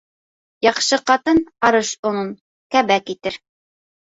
Яҡшы ҡатын арыш онон кәбәк итер